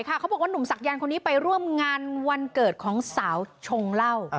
พ่อบอกว่าหนุ่มสักยานไปร่วมงานวันเกิดของสาวชงเล่า